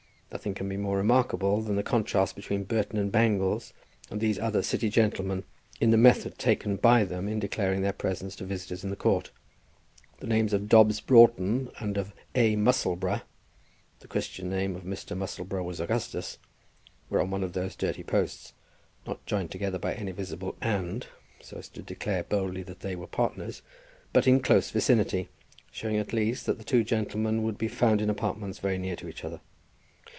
Nothing can be more remarkable than the contrast between Burton and Bangles and these other City gentlemen in the method taken by them in declaring their presence to visitors in the court. The names of Dobbs Broughton and of A. Musselboro, the Christian name of Mr. Musselboro was Augustus, were on one of those dirty posts, not joined together by any visible "and," so as to declare boldly that they were partners; but in close vicinity, showing at least that the two gentlemen would be found in apartments very near to each other.